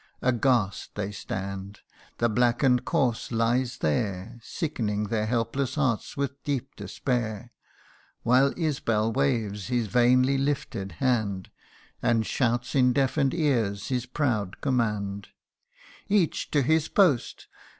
Aghast they stand ; the blacken'd corse lies there, Sickening their helpless hearts with deep despair : 144 THE UNDYING ONE. While Isbal waves his vainly lifted hand, And shouts in deafen'd ears his proud command :" Each to his post